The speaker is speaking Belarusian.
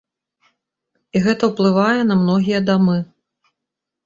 І гэта ўплывае на многія дамы.